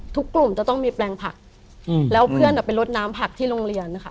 ทุกกลุ่มจะต้องมีแปลงผักอืมแล้วเพื่อนอะเป็นรถน้ำผักที่โรงเรียนค่ะ